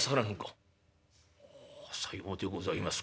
「はあさようでございますか。